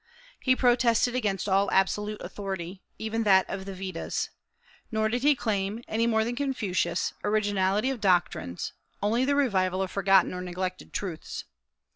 He protested against all absolute authority, even that of the Vedas. Nor did he claim, any more than Confucius, originality of doctrines, only the revival of forgotten or neglected truths.